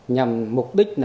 nhằm mục đích